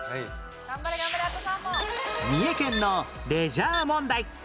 三重県のレジャー問題